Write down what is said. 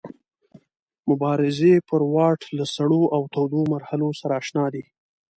مبارزې پر واټ له سړو او تودو مرحلو سره اشنا دی.